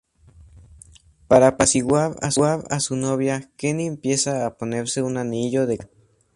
Para apaciguar a su novia, Kenny empieza a ponerse un anillo de castidad.